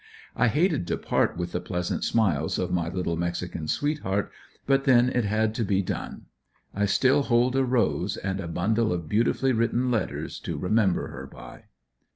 I hated to part with the pleasant smiles of my little mexican sweetheart, but then it had to be done. I still hold a rose and a bundle of beautifully written letters to remember her by.